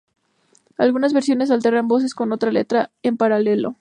Algunas versiones alternan voces con otra letra en paralelo.